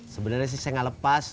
sebenarnya sih saya nggak lepas